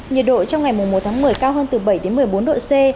nhiệt độ trong ngày một tháng một mươi cao hơn từ bảy đến một mươi bốn độ c